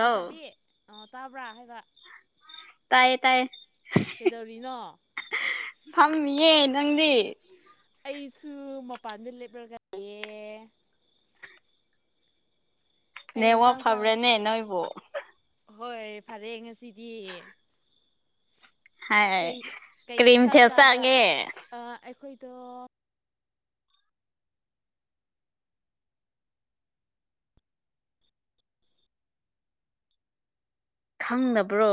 ꯂꯩ ꯁꯥꯕꯤ ꯑ ꯇꯥꯕ꯭ꯔꯥ ꯍꯥꯏꯕ ꯇꯌꯦ ꯇꯌꯦ ꯀꯩꯗꯧꯔꯤꯅꯣ ꯐꯝ꯫ꯃꯤꯌꯦ ꯅꯪꯗꯤ ꯑꯩꯁꯨ꯫ ꯃꯄꯥꯟꯗ ꯂꯦꯞꯔꯒ ꯌ‌ꯦ ꯀꯩ ꯅꯦꯋꯥꯛ ꯌꯦꯟꯁꯥꯡ ꯆꯥ ꯐꯥꯕ꯭ꯔꯅꯦ ꯅꯣꯏꯕ‌ꯣ ꯍꯣꯏ꯫ ꯐꯔꯦ ꯉꯁꯤꯗꯤ ꯀꯩ ꯍꯥꯏ ꯀꯩ ꯀꯔꯤ ꯏꯟꯁꯥꯡ ꯃꯊꯦꯜ ꯆꯥꯕꯔꯥ ꯆꯥꯒꯦ ꯑ ꯑꯩꯈꯣꯏꯗꯣ ꯈꯪꯅꯕ꯭ꯔꯣ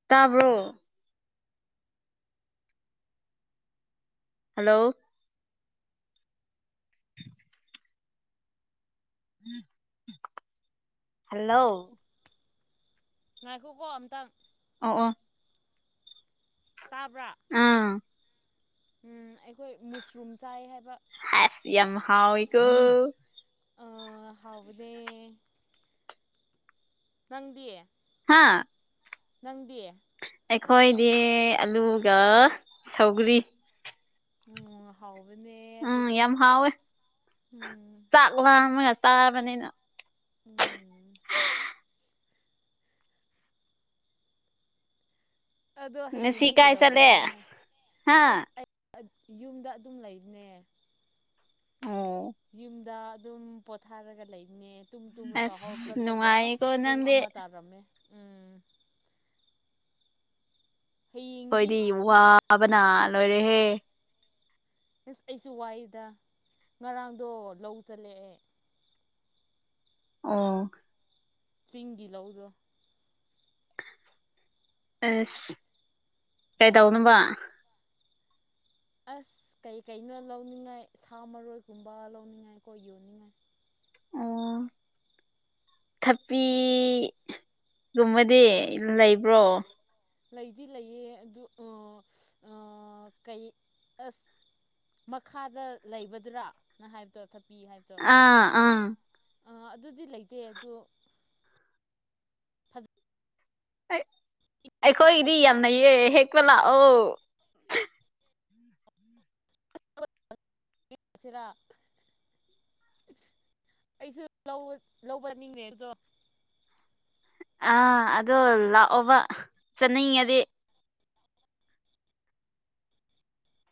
ꯇꯥꯕ꯭ꯔꯣ ꯍꯜꯂꯣ ꯍꯜ꯫ꯂꯣ ꯉꯥꯏꯈꯣꯀꯣ ꯑꯝꯇꯪ ꯑꯣ ꯑꯣ ꯇꯥꯕ꯭ꯔꯥ ꯑꯥ ꯎꯝ ꯑꯩꯈꯣꯏ ꯃꯨꯁꯔꯨꯝ ꯆꯥꯏ ꯍꯥꯏꯕ ꯍꯥꯏꯞ ꯌꯥꯝ ꯍꯥꯎ ꯋꯤꯀꯣ ꯑ ꯍꯥꯎꯕꯅ‌ꯦ ꯅꯪꯗꯤ ꯍꯥꯥ ꯅꯪꯗꯤ ꯑꯩꯈꯣꯏꯗꯤ ꯑꯂꯨꯒ ꯁꯧꯒꯔꯤ ꯎꯝ ꯍꯥꯎꯕꯅꯦ ꯎꯝ ꯑꯗꯨꯒ ꯌꯥꯝ ꯎꯝ ꯄꯨꯥ ꯑ ꯆꯥ ꯃꯅꯤꯅ [unintelligible] ꯎꯝ ꯎ [unintelligible] ꯑꯗꯣ ꯉꯁꯤ ꯍꯌꯦꯡꯗꯤ ꯀꯥꯏ ꯆꯠꯂꯦ ꯀꯩꯗꯧꯒꯦꯔ ꯅꯪ ꯍꯥ ꯑꯁ ꯑꯩ ꯑꯠ ꯌꯨꯝꯗ ꯑꯗꯨꯝ ꯂꯩꯕꯅꯦ ꯑꯣ ꯌꯨꯝꯗ ꯑꯗꯨꯝ ꯄꯣꯊꯥꯔꯒ ꯂꯩꯕꯅꯦ ꯇꯨꯝ ꯇꯨꯝꯔꯀ‌ ꯑꯁ ꯍꯧꯒꯠꯂꯒ ꯅꯨꯡꯉꯥꯏꯌꯦꯀꯣ ꯄꯨꯡ ꯅꯪꯗꯤ ꯑꯃ ꯇꯥꯔꯝꯃꯦ ꯎꯝ ꯍꯌꯦꯡꯗꯤ ꯑꯈꯣꯏꯗꯤ ꯑꯁ ꯋꯥꯕꯅ ꯂꯣꯏꯔꯦꯍꯦ ꯏꯁꯁ ꯑꯩꯁꯨ ꯋꯥꯏꯗ ꯉꯔꯥꯡꯗꯣ ꯂꯧ ꯆꯠꯂ‌ꯦꯑꯦ ꯑꯣ ꯆꯤꯡꯒꯤ ꯂꯧꯗꯣ ꯑꯦ ꯀꯩꯗꯧꯅꯕ ꯑꯁ ꯀꯩꯀꯩꯅꯣ ꯂꯧꯅꯤꯡꯉꯥꯏ ꯁꯥ ꯃꯔꯣꯏꯒꯨꯝꯕ ꯂꯧꯅꯤꯡꯉꯥꯏꯀꯣ ꯌꯣꯟꯅꯤꯡꯉꯥꯏ ꯎꯝ ꯊꯄꯤꯒꯨꯝꯕꯗꯤ ꯂꯩꯕ꯭ꯔꯣ ꯂꯩꯗꯤ ꯂꯩꯌꯦ ꯑꯗꯨ ꯀꯩ ꯑꯁ ꯃꯈꯥꯗ ꯂꯩꯕꯗꯨꯔꯥ ꯅꯪ ꯍꯥꯏꯕꯗꯣ ꯊꯄꯤ ꯍꯥꯏꯕꯗꯣ ꯑꯥ ꯑꯥ ꯑꯥ ꯑꯗꯨꯗꯤ ꯂꯩꯇꯦ ꯑꯗꯨ ꯐꯖ ꯑꯩꯈꯣꯏꯒꯤꯗꯤ ꯌꯥꯝꯂꯩꯌꯦ ꯍꯦꯛꯄ ꯂꯥꯛꯑꯣ [inaudible] ꯁꯤꯔ ꯑꯩꯁꯨ ꯂꯧꯕ ꯅꯤꯡꯅꯦ ꯑꯗꯣ ꯑ ꯑꯗꯣ ꯂꯥꯛꯑꯣꯕ ꯆꯥꯅꯤꯡꯉꯗꯤ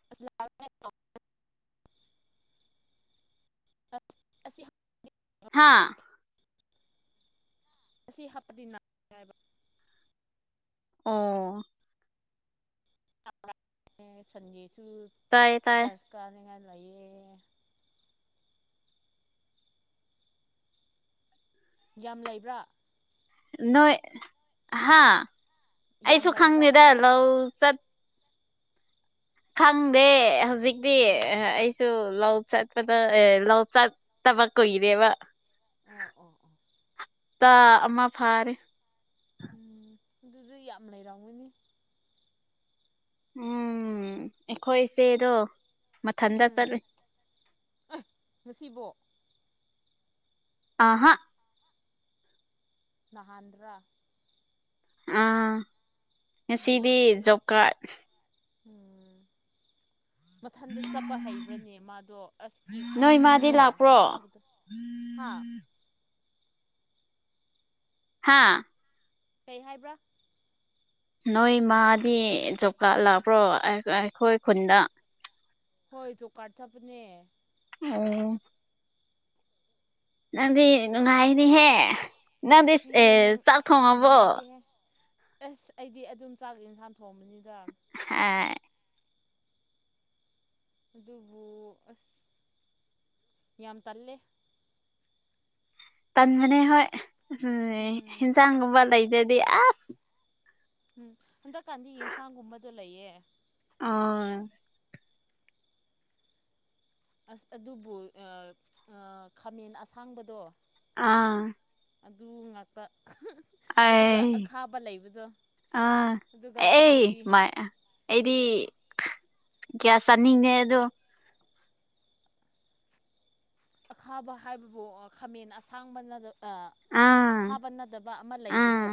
[inaudible] [inaudible] ꯍꯥ ꯑꯁꯤ ꯍꯥꯞꯄꯗꯤ [unintelligible] ꯍꯏꯕ ꯑꯣ [inaudible] ꯁꯟꯖ ꯁꯨ ꯇꯥꯏꯌꯦ ꯇꯥꯏꯌꯦ ꯀꯅꯤꯉꯥꯏ ꯂꯩꯌꯦ ꯌꯥꯝ ꯂꯩꯕ꯭ꯔꯥ ꯅꯣꯏ ꯍꯥ ꯌꯥꯝ ꯑꯩꯁꯨ ꯂꯩꯕ꯭ꯔꯥ ꯈꯪꯗꯦꯗ ꯍꯥꯏꯕ ꯂꯧ ꯆꯠ ꯈꯪꯗꯦ ꯍꯧꯖꯤꯛꯇꯤ ꯎꯝ ꯑꯩ ꯁꯨ ꯂꯧ ꯆꯠꯄꯗ ꯑꯦ ꯂꯧ ꯆꯠꯇꯕ ꯀꯨꯏꯔꯦꯕ ꯑꯣ ꯑꯣ ꯑꯣ ꯇ ꯑꯃ ꯐꯥꯔꯦ ꯎꯝ ꯑꯗꯨꯗꯤ ꯌꯥꯝ ꯂꯩꯔꯝꯒꯅꯤ ꯎꯝ ꯑꯩꯈꯣꯏꯁꯦꯗꯣ ꯎꯝ ꯉꯁꯤꯕꯣ ꯑꯍ ꯅꯍꯟꯗ꯭ꯔꯥ ꯑ ꯉꯁꯤꯗꯤ ꯎꯝ ꯖꯣꯞ ꯀꯥꯔꯠ ꯎꯝ ꯃꯊꯟꯗ ꯆꯠꯄ ꯍꯩꯕ꯭ꯔꯅꯦ ꯃꯥꯗꯣ ꯑꯁꯀꯤ ꯅꯣꯏ ꯃꯥꯗꯤ ꯀꯤꯗ꯭ꯔꯣ ꯂꯥꯛꯄ꯭ꯔꯣ ꯃꯥ ꯆꯥꯕꯗ ꯍꯥ ꯍꯥꯥ ꯀꯩ ꯍꯥꯏꯕ꯭ꯔꯥ ꯅꯣꯏ ꯃꯥꯗꯤ ꯖꯣꯕ ꯀꯥꯔꯗ ꯂꯥꯛꯄ꯭ꯔꯣ ꯑꯩꯈꯣꯏ ꯈꯨꯟꯗ ꯍꯣꯏ ꯖꯣꯀꯥꯔꯠ ꯆꯠꯄꯅꯦ ꯑꯣ ꯅꯪꯗꯤ ꯅꯨꯡꯉꯥꯏꯅꯤꯍꯦ ꯅꯪꯗꯤ ꯍꯦꯍꯦ ꯑꯦ ꯅꯪ ꯆꯥꯛ ꯊꯣꯡꯉꯕꯣ ꯅꯨꯡꯉꯥꯏꯇꯦꯍꯦ ꯑꯁ ꯑꯩꯗꯤ ꯑꯗꯨꯝ ꯆꯥꯛꯁ ꯏꯟꯁꯥꯡ ꯊꯣꯡꯕꯅꯤꯗ ꯑꯏ ꯑꯗꯨꯕꯨ ꯑꯁ ꯌꯥꯝ ꯇꯜꯂꯦ ꯇꯟꯕꯅꯦ ꯍꯣꯏ [unintelligible] ꯎꯝ ꯍꯟꯖꯥꯡꯒꯨꯝꯕ ꯂꯩꯗ꯭ꯔꯗꯤ ꯑꯁ ꯎꯝ ꯍꯟꯗꯛꯀꯥꯟꯗꯤ ꯌꯦꯟꯁꯥꯡꯒꯨꯝꯕꯗꯣ ꯂꯩꯌꯦ ꯑꯣ ꯑꯁ ꯑꯗꯨꯕꯨ ꯈꯥꯃꯦꯟ ꯑꯁꯥꯡꯕꯗꯣ ꯑꯥ ꯑꯗꯨ ꯉꯥꯛꯇ ꯑꯗꯨꯒ ꯑꯦ ꯑꯈꯥꯕ ꯂꯩꯕꯗꯣ ꯑ ꯑꯗꯨꯒ ꯑꯦ ꯁꯧꯒ꯭ꯔꯤ ꯃꯥꯏ ꯑꯩꯗꯤ ꯀꯌꯥ ꯆꯥꯅꯤꯡꯗꯦ ꯑꯗꯣ ꯑꯈꯥꯕ ꯍꯥꯏꯕꯕꯨ ꯈꯥꯃꯦꯟ ꯑꯁꯥꯡꯕꯅꯗ ꯑꯥ ꯑꯈꯥꯕ ꯅꯠꯗꯕ ꯑꯃ ꯑꯥ ꯂꯩꯕꯗꯣ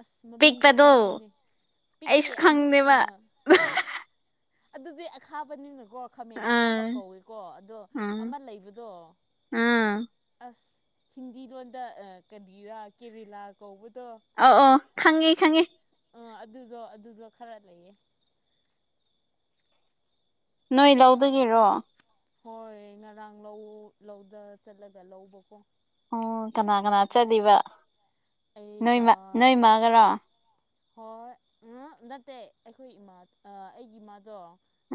ꯑꯁ ꯃꯃꯤꯡꯁꯨ ꯄꯤꯛꯄꯗꯣ ꯍꯥꯡꯗꯣꯏꯅꯦ ꯄꯤꯛꯇꯦ ꯑꯩꯁꯨ ꯑꯗꯨ ꯈꯪꯗꯦꯕ ꯑꯗꯨꯗꯤ ꯑꯈꯥꯕꯅꯤꯅꯀꯣ ꯈꯥꯃꯦꯟ ꯑꯈꯥꯕ ꯑꯥ ꯀꯧꯏꯀꯣ ꯑꯗꯣ ꯎꯝ ꯑꯃ ꯂꯩꯕꯗꯣ ꯎꯝ ꯑꯁ ꯍꯤꯟꯗꯤ ꯂꯣꯟꯗ ꯀꯟꯕꯤꯔꯥ ꯀꯦꯔꯦꯂꯥ ꯀꯧꯕꯗꯣ ꯑꯧ ꯑꯣ ꯈꯪꯉꯦ ꯈꯪꯉꯤ ꯑꯥ ꯑꯗꯨꯗꯣ ꯑꯗꯨꯗꯣ ꯈꯔ ꯂꯩꯌꯦ ꯅꯣꯏ ꯂꯧꯗꯒꯦꯔꯣ ꯍꯣꯏ ꯉꯔꯥꯡ ꯂꯧ ꯂꯧꯗ ꯆꯠꯂꯒ ꯂꯧꯕꯀꯣ ꯑꯣ ꯀꯅꯥ ꯀꯅꯥ ꯆꯠꯂꯤꯕ ꯅꯣꯏ ꯑꯩꯒ ꯅꯣꯏꯃꯛꯒꯔꯣ ꯍꯣꯏ ꯅꯠꯇꯦ ꯑꯩꯈꯣꯏ ꯏꯃꯥ ꯑꯩꯒꯤ ꯏꯃꯥꯗꯣ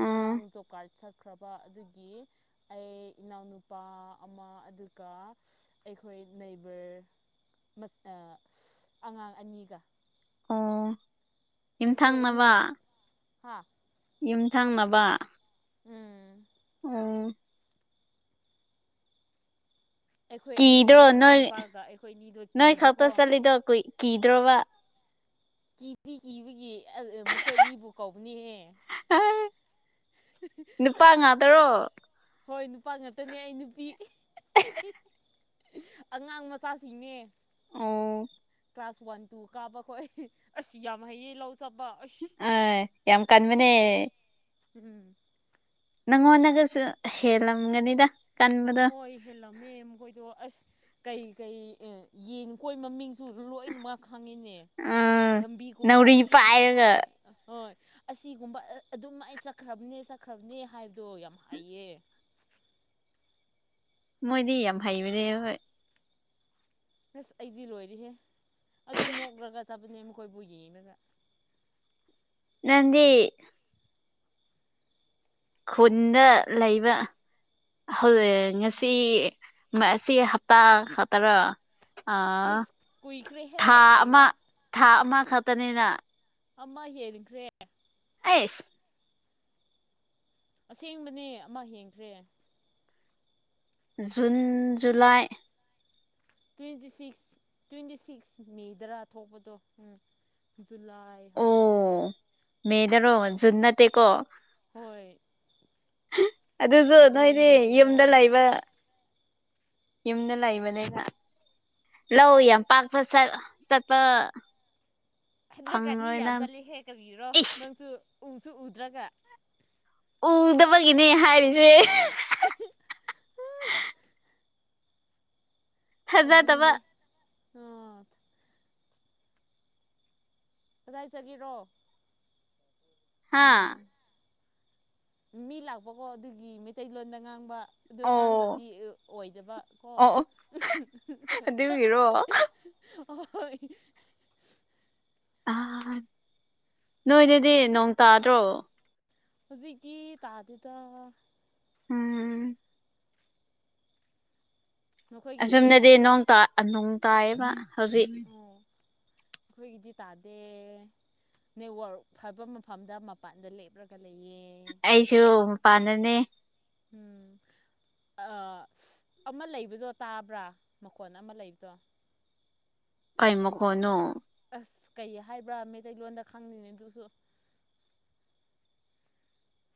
ꯎꯝ ꯉꯔꯥꯡ ꯖꯣ ꯀꯥꯔꯠ ꯁꯛꯈ꯭ꯔꯕ ꯑꯗꯨꯒꯤ ꯑꯩ ꯏꯅꯥꯎꯅꯨꯄꯥ ꯑꯃ ꯑꯗꯨꯒ ꯑꯩꯈꯣꯏ ꯅꯩꯕꯔ ꯑꯉꯥꯡ ꯑꯅꯤꯒ ꯑ ꯑꯩꯈꯣꯏ ꯑꯅꯤꯒ ꯍꯥꯥ ꯌꯨꯝꯊꯪꯅꯕ ꯎꯝ ꯑ ꯑꯩꯈꯣꯏ ꯀꯤꯗ꯭ꯔꯣ ꯑꯅꯤꯗꯣ ꯅꯣꯏ ꯏꯅꯥꯎꯅꯨꯄꯥꯒ ꯑꯩꯈꯣꯏ ꯑꯅꯤꯗꯣ ꯅꯣꯏ ꯈꯛꯄ ꯀꯤꯕꯀꯣ ꯆꯠꯂꯤꯗꯣ ꯀꯨꯏ ꯀꯤꯗ꯭ꯔꯣꯕ ꯀꯤꯗꯤ ꯀꯤꯕꯒꯤ ꯃꯈꯣꯏ ꯑꯅꯤꯕꯨ ꯀꯧꯕꯅꯦꯍꯦ ꯑ [inaudible] ꯅꯨꯄꯥ ꯉꯥꯗꯔꯣ ꯍꯣꯏ ꯅꯨꯄꯥ ꯉꯥꯛꯇꯅꯦ ꯑꯩ ꯅꯨꯄꯤ ꯑꯉꯥꯡ ꯃꯆꯥꯁꯤꯡꯅꯦ ꯑ ꯀ꯭ꯂꯥꯁ ꯋꯥꯟ ꯇꯨ ꯀꯥꯕ ꯈꯣꯠ ꯑꯁ ꯌꯥꯝ ꯍꯩꯌꯦꯡ ꯂꯧ ꯆꯠꯄ ꯑꯁ ꯑ ꯌꯥꯝꯃ ꯀꯟꯃꯅꯦ ꯎꯝ ꯅꯪ ꯑꯣꯟꯒꯁꯨ ꯍꯦꯂꯝꯒꯅꯤꯗ ꯍꯣꯏ ꯍꯦꯜꯂꯝꯃꯦ ꯈꯣꯏꯗꯣ ꯑꯁ ꯀꯩ ꯀꯩ ꯌꯦꯟ ꯀꯣꯏ ꯃꯃꯤꯡꯁꯨ ꯂꯣꯏꯅꯃꯛ ꯈꯪꯉꯤꯅꯦ ꯑꯥ ꯂꯝꯕꯤꯒꯨꯝꯕ ꯅꯥꯎꯔꯤ ꯑꯁꯤ ꯄꯥꯏꯔꯒ ꯍꯣꯏ ꯑꯁꯤꯒꯨꯝꯕ ꯑꯗꯨꯝ ꯑꯩ ꯆꯠꯈ꯭ꯔꯕꯅꯦ ꯆꯠꯈ꯭ꯔꯕꯅꯦ ꯍꯥꯏꯕꯗꯣ ꯌꯥꯝ ꯍꯥꯏꯩꯌꯦ ꯃꯣꯏꯗꯤ ꯌꯥꯝ ꯍꯩꯕꯅꯦ ꯍꯣꯏ ꯑꯁ ꯑꯩꯗꯤ ꯂꯣꯏꯔꯦꯍꯦ ꯑꯗꯨꯝ ꯅꯣꯛꯈ꯭ꯔꯒ ꯆꯠꯄꯅꯦ ꯃꯈꯣꯏꯕꯨ ꯌꯦꯡꯉꯒ ꯅꯪꯗꯤ ꯈꯨꯟꯗ ꯂꯩꯕ ꯍꯧꯖꯤꯛ ꯉꯁꯤ ꯑꯁꯤ ꯍꯞꯇꯥ ꯈꯛꯇꯔꯣ ꯑ ꯍꯩꯁ ꯀꯨꯏꯈ꯭ꯔꯦꯍꯦ ꯊꯥ ꯑꯃ ꯂꯩꯕ ꯊꯥ ꯑꯃ ꯈꯛꯇꯅꯤꯅ ꯑꯃ ꯍꯦꯟꯈ꯭ꯔꯦ ꯑꯦꯁ [inaudible] ꯑꯁꯦꯡꯕꯅꯦ ꯑꯃ ꯍꯦꯡꯈ꯭ꯔꯦ June July twenty six twenty six ꯃꯦꯗꯔꯥ ꯊꯣꯛꯄꯗꯣ ꯎꯝ ꯖꯨꯂꯥꯏ ꯑꯣ ꯍꯧꯖꯤꯛꯇꯤ ꯃꯦꯗꯔꯣ ꯖꯟ ꯅꯠꯇꯦꯀꯣ ꯍꯣꯏ ꯑꯗꯨꯁꯨ ꯖꯨꯟ ꯅꯣꯏꯗꯤ ꯌꯨꯝꯗ ꯖꯨꯂꯥꯏ ꯂꯩꯕ ꯌꯨꯝꯗ ꯂꯩꯕꯅꯤꯅ ꯂꯧ ꯌꯥꯝ ꯄꯥꯔ ꯐꯁ ꯆꯠꯄ ꯍꯟꯗꯛꯀ ꯑꯅꯤ ꯐꯪꯉꯔꯣꯏ ꯌꯥꯝ ꯅꯪ ꯆꯠꯂꯤꯍꯦ ꯀꯔꯤꯒꯤꯔꯣ ꯏꯁ ꯅꯪꯁꯨ ꯎꯁꯨ ꯎꯗ꯭ꯔꯒ ꯎꯗꯕꯒꯤꯅꯦ ꯍꯥꯏꯔꯤꯁꯦ ꯊꯥꯖꯗꯕ ꯑꯗꯨꯨꯅꯦ ꯑ ꯀꯗꯥꯏ ꯆꯠꯒꯦꯔꯣ ꯍꯥ ꯎꯝ ꯃꯤ ꯂꯥꯛꯄꯀꯣ ꯑꯗꯨꯒꯤ ꯃꯩꯇꯩꯂꯣꯟꯗ ꯉꯥꯡꯕ ꯑꯗꯨ ꯑꯣ ꯉꯥꯡꯗ꯭ꯔꯗꯤ ꯑꯣꯏꯗꯕ ꯀꯣ ꯍꯤꯔꯣ ꯍꯣꯏ ꯑꯥ ꯅꯣꯏꯗꯗꯤ ꯅꯣꯡ ꯇꯥꯗ꯭ꯔꯣ ꯍꯧꯖꯤꯛꯀꯤ ꯇꯥꯇꯦꯗ ꯎꯝ ꯅꯈꯣꯏꯒꯤꯗꯤ ꯑꯣ ꯑꯁꯣꯝꯗꯗꯤ ꯅꯣꯡ ꯇꯥꯏꯌꯦꯕ ꯍꯧꯖꯤꯛ ꯑꯣ ꯑꯩꯈꯣꯏꯒꯤꯗꯤ ꯇꯥꯗꯦ ꯅꯦꯠꯋꯥꯛ ꯐꯕ ꯃꯐꯝꯗ ꯃꯄꯥꯟꯗ ꯂꯦꯞꯂꯒ ꯂꯩꯌꯦ ꯑꯩꯁꯨ ꯃꯄꯥꯟꯗꯅꯦ ꯎꯝ ꯑꯃ ꯂꯩꯕꯗꯣ ꯇꯥꯕ꯭ꯔꯥ ꯃꯈꯣꯟ ꯑꯃ ꯂꯩꯕꯗꯣ ꯀꯩ ꯃꯈꯣꯟꯅꯣ ꯑꯁ ꯀꯩ ꯍꯥꯏꯕ꯭ꯔꯥ ꯃꯩꯇꯩꯂꯣꯟꯗ ꯈꯪꯗꯦꯅꯦ ꯑꯗꯨꯁꯨ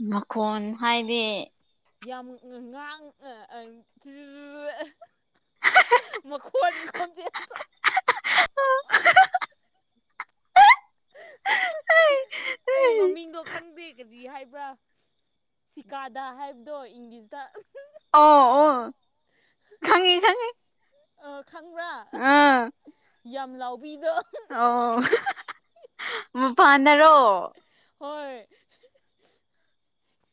ꯃꯈꯣꯟ ꯍꯥꯏꯗꯤ ꯌꯥꯝ ꯉꯥꯡ [inaudible] ꯃꯋꯥ ꯆ [inaudible] ꯍ [inaudible] ꯑꯩ ꯃꯃꯤꯡꯗꯣ ꯈꯪꯗꯦ ꯒꯔꯤ ꯍꯥꯏꯕ꯭ꯔꯥ ꯆꯤꯀꯥꯗꯥ ꯍꯥꯏꯕꯗꯣ ꯏꯪꯂꯤꯁꯇ ꯑꯣ ꯑꯣ ꯈꯪꯉꯤ ꯈꯪꯉꯤ ꯑꯣ ꯈꯪꯕ꯭ꯔꯥ ꯑꯥ ꯌꯥꯝ ꯂꯥꯎꯕꯤꯗꯣ ꯑꯣ ꯃꯄꯥꯟꯗꯔꯣ ꯍꯣꯏ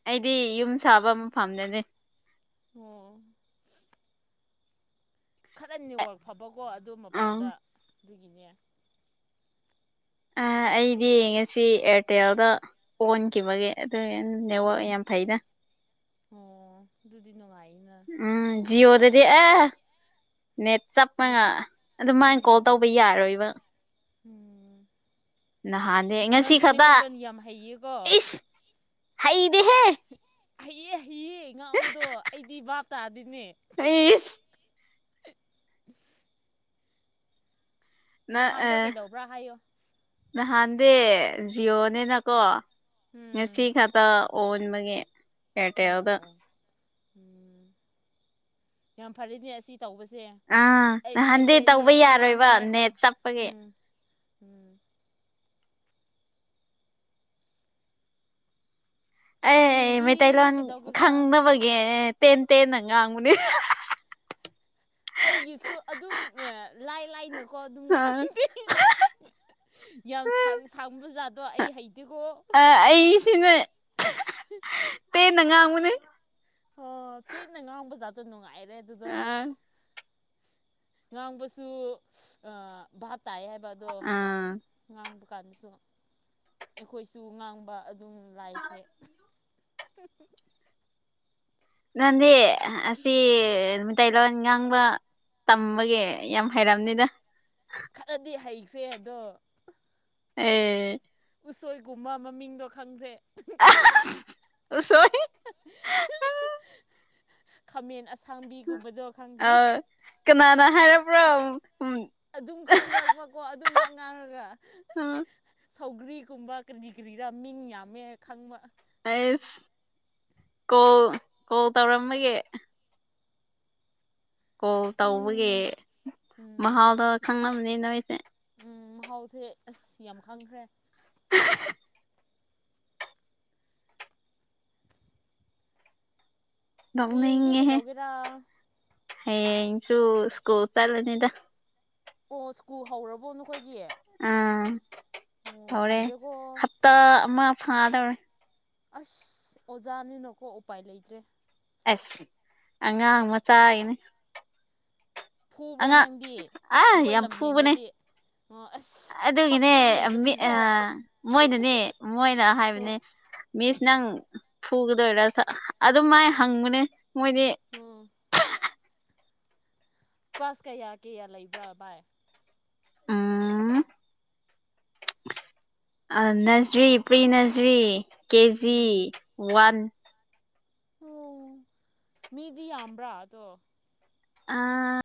ꯑꯩꯗꯤ ꯌꯨꯝ ꯁꯥꯕ ꯃꯐꯝꯗꯅꯦ ꯑꯣ ꯈꯔ ꯅꯦꯠꯋꯥꯛ ꯐꯕꯀꯣ ꯑꯗꯨ ꯑꯥ ꯃꯄꯥꯟꯗ ꯑꯗꯨꯒꯤꯅꯦ ꯑ ꯑꯩꯗꯤ ꯌꯦꯡꯉꯁꯤ ꯑꯦꯌꯥꯔꯇꯦꯜꯗ ꯍꯣꯟꯈꯤꯕꯒꯦ ꯑꯗꯨ ꯅꯦꯠꯋꯥꯛ ꯎꯝ ꯌꯥꯝ ꯐꯩꯗ ꯑꯣ ꯑꯗꯨꯗꯨꯗꯤ ꯅꯨꯡꯉꯥꯏꯅ ꯎꯝ ꯖꯤꯑꯣꯗꯗꯤ ꯑꯦ ꯅꯦꯠ ꯆꯞ ꯍꯣꯟ ꯃꯒꯥ ꯑꯗꯨꯃꯥꯏꯅ ꯀꯣꯜ ꯎꯝ ꯇꯧꯕ ꯌꯥꯔꯣꯏꯕ ꯎꯝ ꯅꯍꯥꯟꯅꯦ ꯑꯁ ꯉꯁꯤ ꯅꯪꯗꯤ ꯈꯛꯇ ꯃꯩꯇꯩꯂꯣꯟ ꯌꯥꯝ ꯍꯩꯌꯦꯀꯣ ꯏꯁ ꯍꯩꯗꯤꯍꯦ ꯍꯩꯑꯦ ꯍꯩꯌꯦ ꯉꯥꯡꯕꯗꯣ ꯑꯩꯗꯤ ꯕꯥꯞ ꯇꯥꯗꯤꯅꯦ [unintelligible] [inaudible] ꯅꯥ ꯅꯍꯥꯟꯗꯣ ꯑꯦ ꯀꯩꯗꯧꯕ꯭ꯔꯥ ꯍꯥꯏꯌꯣ ꯅꯍꯥꯟꯗ ꯖꯤꯌꯣꯅꯦꯅꯀꯣ ꯉꯁꯤ ꯎꯝ ꯈꯛꯇ ꯑꯣꯟꯕꯒꯦ ꯑꯣ ꯑꯣ ꯎꯝ ꯌꯥꯝ ꯐꯔꯦꯅꯦ ꯑꯁꯤ ꯇꯧꯕꯁꯦ ꯑꯥ ꯑꯩ ꯅꯍꯥꯟꯗꯤ ꯑꯩꯈꯣꯏ ꯑꯅꯤ ꯇꯧꯕ ꯑꯗꯨꯝ ꯌꯥꯔꯣꯏꯕ ꯉꯥꯡꯅꯤꯉꯥꯏꯀꯣ ꯅꯦꯠ ꯆꯞꯄꯒꯤ ꯎꯝ ꯎꯝ ꯑꯦ ꯍꯌꯦꯡꯗꯤ ꯃꯩꯇꯩꯂꯣꯟ ꯀꯩꯗꯧꯒꯦꯔꯥ ꯈꯪꯗꯕꯒꯤ ꯌꯦ ꯇꯦꯟ ꯇꯦꯟꯅ ꯉꯡꯕꯅꯤ ꯑꯩꯒꯤꯁꯨ ꯑꯗꯨꯝ ꯂꯥꯏ ꯂꯥꯏꯅꯀꯣ ꯑꯗꯨꯝ ꯉꯥꯡꯗꯦ ꯌꯥꯝ ꯁꯥꯡꯁꯥꯡꯕ ꯖꯥꯗꯣ ꯑꯩ ꯍꯩꯇꯦꯀꯣ ꯁꯤꯅꯦ ꯇꯦꯟꯅ ꯉꯥꯡꯉꯨꯅꯦ ꯑꯣ ꯇꯦꯟꯅ ꯉꯥꯡꯕ ꯖꯥꯠꯇꯣ ꯅꯨꯡꯉꯥꯏꯔꯦ ꯑꯗꯨꯗꯣ ꯑꯥ ꯉꯥꯡꯕꯁꯨ ꯑꯥ ꯚꯥꯞ ꯇꯥꯏ ꯍꯥꯏꯕ ꯑꯗꯣ ꯉꯥꯡ ꯑꯥ ꯉꯥꯡꯕ ꯀꯥꯟꯗꯁꯨ ꯑꯩꯈꯣꯏꯁꯨ ꯉꯥꯡꯕ ꯑꯗꯨꯝ ꯂꯥꯏꯈ꯭ꯔꯦ [unintelligible] ꯅꯪꯗꯦ ꯑꯁꯤ ꯃꯤꯇꯩ ꯂꯣꯟ ꯉꯥꯡꯕ ꯇꯝꯕꯒꯤ ꯌꯥꯝ ꯍꯩꯔꯝꯅꯤꯗ ꯈꯔꯗꯤ ꯍꯩꯈ꯭ꯔꯦ ꯑꯗꯣ ꯑꯥ ꯎꯁꯣꯏꯒꯨꯝꯕ ꯃꯃꯤꯡꯗꯣ ꯈꯪꯈ꯭ꯔꯦ ꯎꯁꯣꯏ [unintelligible] ꯈꯥꯃꯦꯟ ꯑꯁꯤꯟ ꯈꯥꯡꯕꯤꯒꯨꯝꯕꯗꯣ ꯑ ꯈꯪꯈ꯭ꯔꯦ ꯀꯅꯥꯅ ꯍꯥꯏꯔꯛꯕ꯭ꯔꯣ ꯑꯗꯨꯝ ꯈꯪꯔꯛꯄꯀꯣ ꯑꯗꯨꯝ ꯉꯥꯛ ꯉꯥꯡꯔꯒ ꯎꯝ ꯁꯧꯒ꯭ꯔꯤꯒꯨꯝꯕ ꯀꯔꯤ ꯀꯔꯤꯔ ꯃꯤꯡ ꯌꯥꯝꯃꯦ ꯈꯪꯕ ꯑꯩꯁ ꯀꯣꯜ ꯀꯣꯜ ꯇꯧꯔꯝꯃꯒꯤ ꯀꯣꯜ ꯇꯧꯕꯒꯤ ꯎꯝ ꯎꯝ ꯃꯍꯥꯎꯗꯣ ꯈꯪꯅꯝꯅꯤ ꯅꯣꯏꯁꯦ ꯎꯝ ꯃꯍꯥꯎꯁꯦ ꯑꯁ ꯌꯥꯝ ꯈꯪꯈ꯭ꯔꯦ [unintelligible] ꯍꯌꯦꯡꯗꯤ ꯅꯣꯛꯅꯤꯡꯉꯦꯍꯦ ꯀꯩꯗꯧꯒꯦꯔꯥ ꯍꯌꯦꯡꯁꯨ ꯁ꯭ꯀꯨꯜ ꯆꯠꯂꯝꯅꯤꯗ ꯑꯣ ꯁ꯭ꯀꯨꯜ ꯍꯧꯔꯕꯣ ꯅꯈꯣꯏꯒꯤ ꯑꯥ ꯑꯣ ꯉꯜꯂꯦꯀꯣ ꯇꯥ ꯑꯃ ꯐꯥꯗꯧꯔꯦ ꯑꯁ ꯑꯣꯖꯥꯅꯤꯅꯀꯣ ꯎꯄꯥꯏ ꯂꯩꯇ꯭ꯔꯦ ꯑꯁ ꯑꯉꯥꯡ ꯃꯆꯥꯏꯅꯦ ꯐꯨꯕ꯭ꯔꯥ ꯑꯉꯥꯥꯡ ꯅꯪꯗꯤ ꯑꯥ ꯅꯈꯣꯏ ꯌꯥꯝ ꯐꯨꯕꯅꯦ ꯂꯝꯍꯦꯟꯔꯗꯤ ꯑꯣ ꯑꯁ ꯑꯗꯨꯒꯤꯅꯦ ꯄꯛꯂꯤꯅꯦ ꯀꯔꯤꯔꯣ ꯃꯣꯏꯅꯅꯦ ꯃꯣꯏꯅ ꯍꯥꯏꯕꯅꯦ ꯑꯣ ꯃꯤꯁ ꯅꯪ ꯐꯨꯒꯗꯣꯏꯔꯥ ꯑꯗꯨ ꯃꯥꯏ ꯍꯪꯕꯅꯦ ꯃꯣꯏꯗꯤ ꯍꯝ ꯀꯁ꯭ꯂ ꯀꯌꯥ ꯀꯌꯥ ꯂꯩꯕ꯭ꯔꯥ ꯕꯥꯏ ꯎꯝ ꯑꯥ nursery pre nursery KG um one ꯑꯣ ꯃꯤꯗꯤ ꯌꯝꯕ꯭ꯔ ꯑꯥꯗꯣ ꯑꯥ